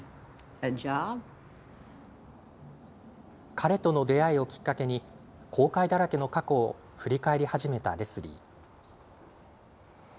彼との出会いをきっかけに後悔だらけの過去を振り返り始めたレスリー。